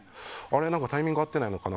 あれ、タイミング合ってないのかな